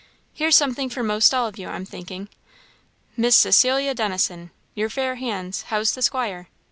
Here's something for 'most all of you, I'm thinking. 'Miss Cecilia Dennison' your fair hands how's the squire?